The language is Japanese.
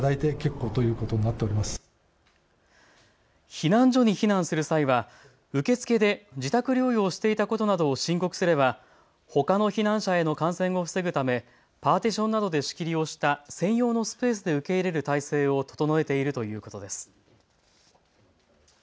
避難所に避難する際は受付で自宅療養してしていたことなどを申告すればほかの避難者への感染を防ぐためパーティションなどで仕切りをした専用のスペースで受け入れる体制を整えているということです。